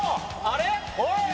あれ？